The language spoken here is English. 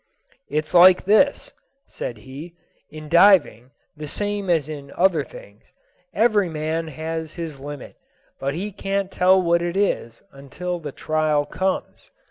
"It's like this," said he: "in diving, the same as in other things, every man has his limit; but he can't tell what it is until the trial comes.